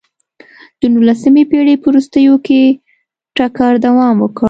د نولسمې پېړۍ په وروستیو کې ټکر دوام وکړ.